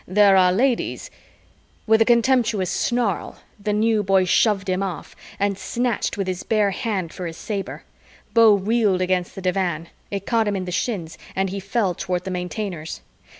There are ladies "With a contemptuous snarl, the New Boy shoved him off and snatched with his bare hand for his saber. Beau reeled against the divan, it caught him in the shins and he fell toward the Maintainers.